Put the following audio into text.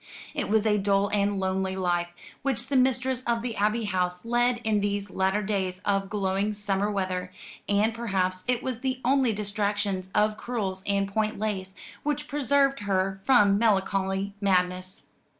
It was a dull and lonely life which the mistress of the Abbey House led in these latter days of glowing summer weather; and perhaps it was only the distractions of crewels and point lace which preserved her from melancholy madness.